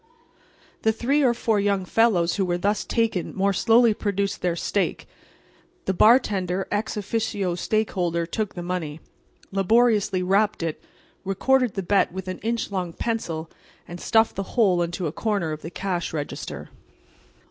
The three or four young fellows who were thus "taken" more slowly produced their stake. The bartender, ex officio stakeholder, took the money, laboriously wrapped it, recorded the bet with an inch long pencil and stuffed the whole into a corner of the cash register.